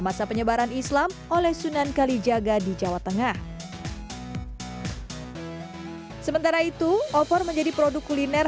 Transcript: masa penyebaran islam oleh sunan kalijaga di jawa tengah sementara itu opor menjadi produk kuliner